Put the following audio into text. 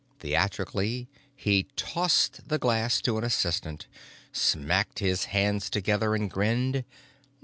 Theatrically he tossed the glass to an assistant, smacked his hands together and grinned.